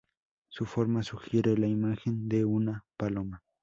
Su forma sugiere la imagen de una paloma.